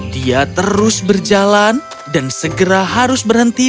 dia terus berjalan dan segera harus berhenti